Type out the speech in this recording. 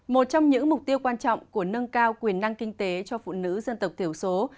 một trong những mục tiêu quan trọng của nâng cao quyền năng kinh tế cho phụ nữ dân tộc thiểu số